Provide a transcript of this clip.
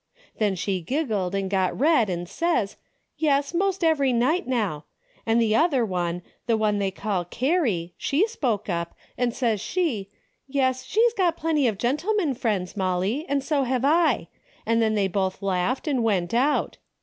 Then she giggled an' got red an' says, ' Yes, most every night now,' an' the other one, the one they call Carrie, she spoke up, and says she, 'Yes, she's got plenty of gentlemen friends, Molly, an' so have I,' an' then they both laughed and went out.